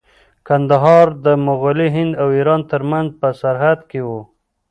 کندهار د مغلي هند او ایران ترمنځ په سرحد کې و.